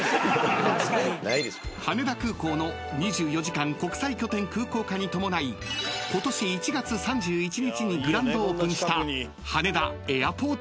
［羽田空港の２４時間国際拠点空港化に伴い今年１月３１日にグランドオープンした］